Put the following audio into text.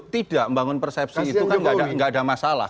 tidak membangun persepsi itu kan nggak ada masalah